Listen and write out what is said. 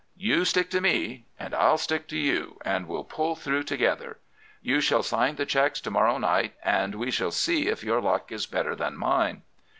You stick to me, and I'll stick to you, and we'll pull through together. You shall sign the cheques to morrow night, and we shall see if your luck is better than mine.